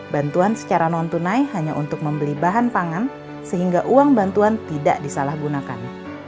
bantuan secara non tunai hanya untuk membeli bahan pangan sehingga uang bantuan tidak disalahgunakan